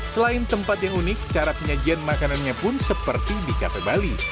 selain tempat yang unik cara penyajian makanannya pun seperti di kafe bali